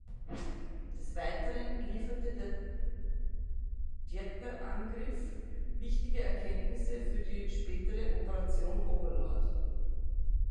Des Weiteren lieferte der Dieppe-Angriff wichtige Erkenntnisse für die spätere Operation Overlord.